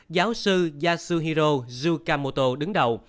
giáo sư yasuhiro tsukamoto đứng đầu